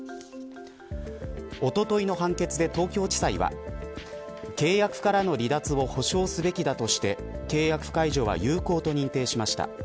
おとといの判決で、東京地裁は契約からの離脱を保証すべきだとして契約解除は有効と認定しました。